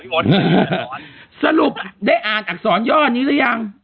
ป้าเห็งได้อ่านอักษรยอดไหม